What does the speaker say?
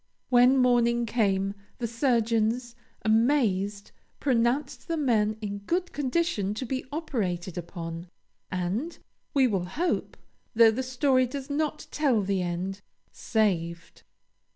When morning came the surgeons, amazed, pronounced the men in good condition to be operated upon, and we will hope, though the story does not tell the end saved.